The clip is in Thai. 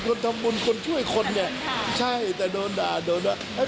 คนทำบุญคนช่วยคนเนี่ยใช่แต่โดนด่าโดนว่า